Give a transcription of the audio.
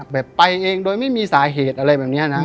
ไปเองโดยไม่มีสาเหตุอะไรแบบนี้นะ